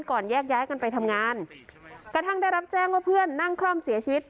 แยกย้ายกันไปทำงานกระทั่งได้รับแจ้งว่าเพื่อนนั่งคล่อมเสียชีวิต